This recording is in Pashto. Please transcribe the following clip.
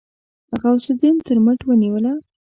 غوث الدين تر مټ ونيوله.